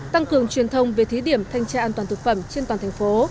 tăng cường truyền thông về thí điểm thanh tra an toàn thực phẩm trên toàn thành phố